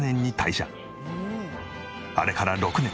あれから６年。